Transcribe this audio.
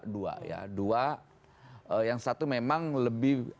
dua yang satu memang lebih